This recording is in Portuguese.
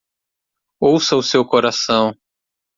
Ouça o seu coração.